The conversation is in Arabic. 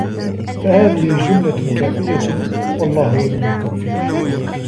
فَهَذِهِ جُمْلَةٌ كَافِيَةٌ ، وَاَللَّهُ وَلِيُّ التَّوْفِيقِ